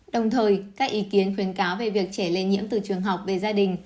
đồng thời các ý kiến khuyến cáo về việc trẻ lây nhiễm từ trường học về gia đình